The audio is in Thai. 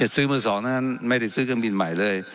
ซื้อมือสองเท่านั้นไม่ได้ซื้อเครื่องบินใหม่เลย